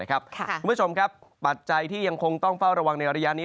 คุณผู้ชมครับปัจจัยที่ยังคงต้องเฝ้าระวังในระยะนี้